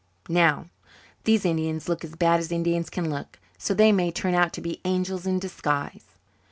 Now, these Indians look as bad as Indians can look so they may turn out to be angels in disguise."